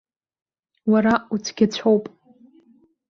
Уара уцәгьацәоуп.